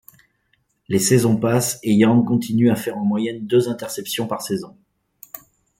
Les saisons passent et Young continue à faire en moyenne deux interceptions par saison.